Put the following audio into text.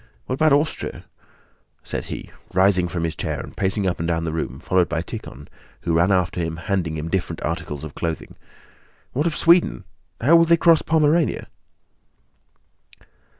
What about Austria?" said he, rising from his chair and pacing up and down the room followed by Tíkhon, who ran after him, handing him different articles of clothing. "What of Sweden? How will they cross Pomerania?"